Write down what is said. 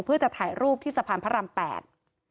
เพื่อจะถ่ายรูปที่สะพานพระรามแปด